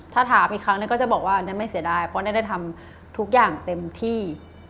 ถ้าถามอีกครั้งนึงก็จะบอกว่าแนนไม่เสียดายเพราะแนนได้ทำทุกอย่างเต็มที่